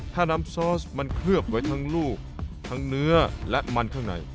ถ้าน้ำซอสมันเคลือบไว้ทั้งลูกทั้งเนื้อและมันข้างใน